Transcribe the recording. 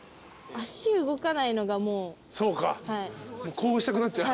こうしたくなっちゃう？